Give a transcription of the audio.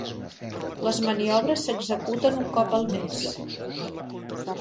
Les maniobres s'executen un cop al mes.